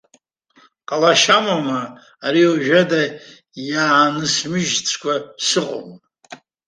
Ҟалашьа амоума, ари уажәада иаансмыжьыцкәа сыҟоума.